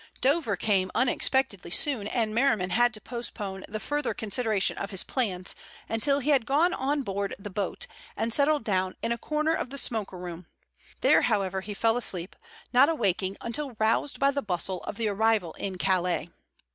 Dover came unexpectedly soon and Merriman had to postpone the further consideration of his plans until he had gone on board the boat and settled down in a corner of the smoker room. There, however, he fell asleep, not awaking until roused by the bustle of the arrival in Calais.